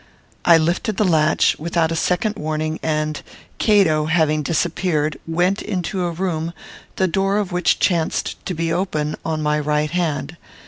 I lifted the latch, without a second warning, and, Cato having disappeared, went into a room, the door of which chanced to be open, on my right hand.